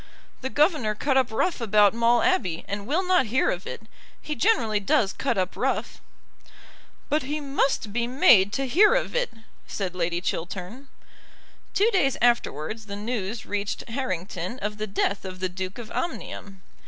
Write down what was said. "The governor cut up rough about Maule Abbey, and will not hear of it. He generally does cut up rough." "But he must be made to hear of it," said Lady Chiltern. Two days afterwards the news reached Harrington of the death of the Duke of Omnium.